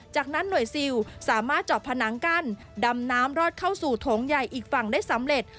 จากนั้นหน่วยซิลสามารถเจาะผนังกั้นดำน้ำรอดเข้าสู่โถงใหญ่อีกฝั่งได้สำเร็จ